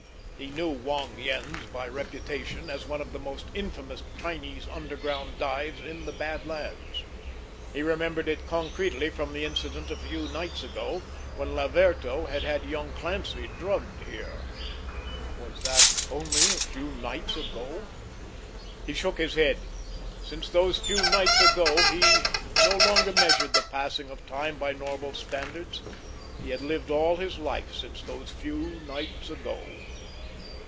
He knew Wong Yen's by reputation as one of the most infamous Chinese underground dives in the Bad Lands; he remembered it concretely from that incident of a few nights ago when Laverto had had young Clancy drugged here. Was that only a few nights ago? He shook his head. Since those few nights ago he no longer measured the passing of time by normal standards; he had lived all his life since those few nights ago!